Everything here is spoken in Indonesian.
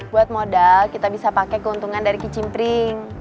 buat modal kita bisa pakai keuntungan dari kicimpring